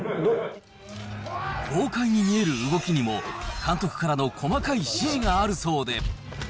豪快に見える動きにも、監督からの細かい指示があるそうで。